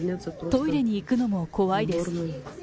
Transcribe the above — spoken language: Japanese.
トイレに行くのも怖いです。